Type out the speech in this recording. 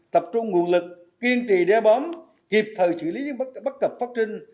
tập trung nguồn lực kiên trì đeo bóng kịp thời xử lý những bất cập phát trinh